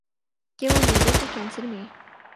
کہ وہ معدے کے کینسر میں